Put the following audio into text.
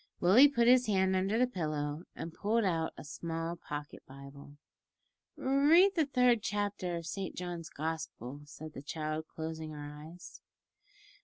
Willie put his hand under the pillow and pulled out a small pocket Bible. "Read the third chapter of Saint John's Gospel," said the child, closing her eyes.